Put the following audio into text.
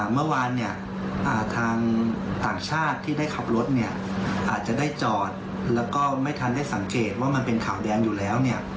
เมื่อวานทางต่างชาติที่ได้ขับรถเนี่ยอาจจะได้จอดแล้วก็ไม่ทันได้สังเกตว่ามันเป็นขาวแดงอยู่แล้ว